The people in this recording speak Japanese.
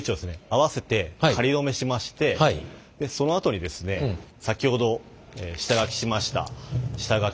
合わせて仮留めしましてそのあとにですね先ほど下書きしました下書きをですね